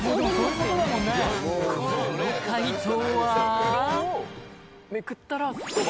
この快答は？